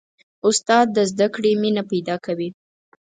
استاد د زده کړې مینه پیدا کوي.